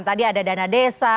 tadi ada dana desa